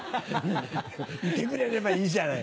いてくれればいいじゃない。